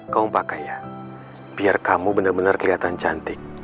kamu pakai ya biar kamu benar benar kelihatan cantik